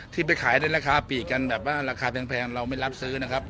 ที่ไปขายในราคาปีกกันแบบว่าราคาแพงเราไม่รับซื้อนะครับ